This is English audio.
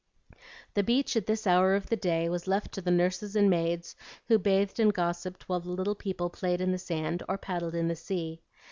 The beach at this hour of the day was left to the nurses and maids who bathed and gossiped while the little people played in the sand or paddled in the sea.